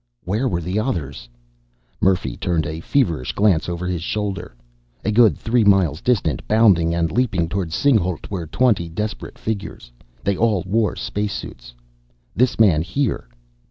Where were the others? Murphy turned a feverish glance over his shoulder. A good three miles distant, bounding and leaping toward Singhalût, were twenty desperate figures. They all wore space suits. This man here